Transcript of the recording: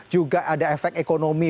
juga ada efek ekonomi